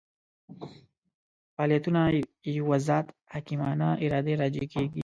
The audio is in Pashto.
فاعلیتونه یوه ذات حکیمانه ارادې راجع کېږي.